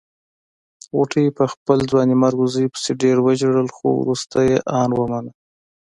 غوټۍ په خپل ځوانيمرګ زوی پسې ډېر وژړل خو روسته يې ان ومانه.